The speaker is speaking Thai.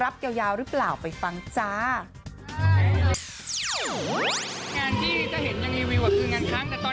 ผมไม่ได้นอนเลยเดือนเนี้ย